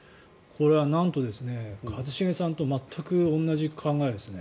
これはなんと一茂さんと全く同じ考えですね。